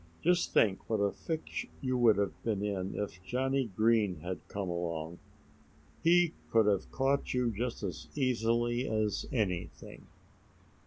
Just think what a fix you would have been in if Johnnie Green had come along. He could have caught you just as easily as anything."